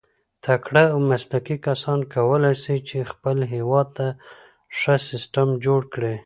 تکړه او مسلکي کسان کولای سي، چي خپل هېواد ته ښه سیسټم جوړ کي.